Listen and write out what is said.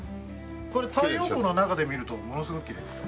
これ太陽光の中で見るとものすごくきれいですよ。